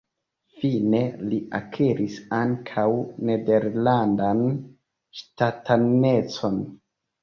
Fine li akiris ankaŭ nederlandan ŝtatanecon.